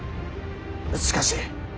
しかし。